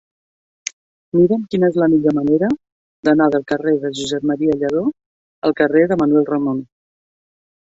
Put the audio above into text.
Mira'm quina és la millor manera d'anar del carrer de Josep M. Lladó al carrer de Manuel Ramon.